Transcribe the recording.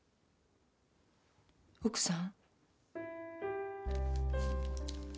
奥さん？